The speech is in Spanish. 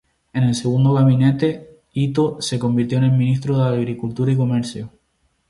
En el segundo gabinete, Itō se convirtió en ministro de agricultura y comercio.